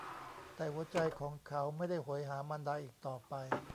แต่หัวใจของเขาไม่ได้โหยหามารดาอีกต่อไป